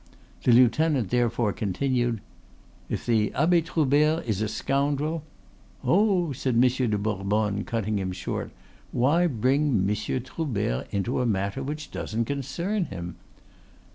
The lieutenant therefore continued: "If the Abbe Troubert is a scoundrel " "Oh," said Monsieur de Bourbonne, cutting him short, "why bring Monsieur Troubert into a matter which doesn't concern him?"